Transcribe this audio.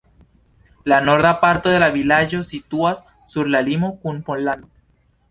La norda parto de la vilaĝo situas sur la limo kun Pollando.